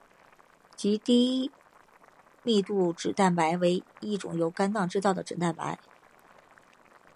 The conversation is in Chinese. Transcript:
极低密度脂蛋白为一种由肝脏制造的脂蛋白。